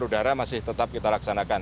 udara masih tetap kita laksanakan